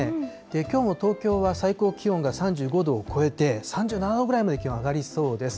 きょうも東京は最高気温が３５度を超えて、３７度ぐらいまで気温上がりそうです。